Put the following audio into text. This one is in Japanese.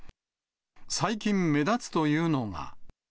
最近目立つというのが。